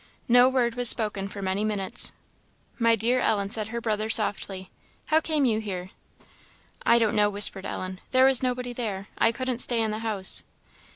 No word was spoken for many minutes. "My dear, Ellen," said her brother, softly, "how came you here?" "I don't know," whispered Ellen; "there was nobody there I couldn't stay in the house."